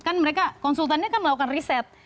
kan mereka konsultan nya kan melakukan riset